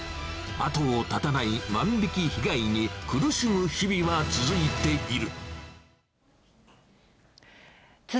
後を絶たない万引き被害に苦しむ日々は続いている。